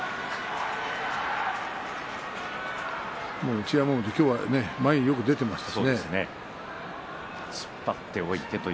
一山本、今日は前によく出ていました。